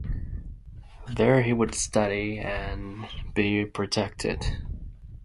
There he would study, and be protected.